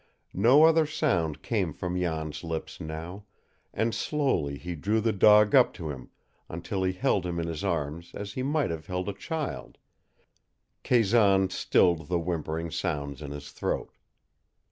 No other sound came from Jan's lips now, and slowly he drew the dog up to him until he held him in his arms as he might have held a child, Kazan stilled the whimpering sounds in his throat.